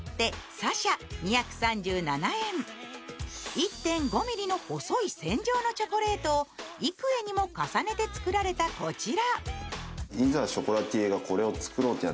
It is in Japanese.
１．５ｍｍの細い線状のチョコレートを幾重にも重ねて作られたこちら。